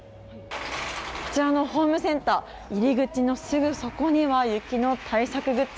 こちらのホームセンター入り口のすぐそこには雪の対策グッズ